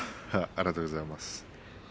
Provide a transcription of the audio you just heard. ありがとうございます。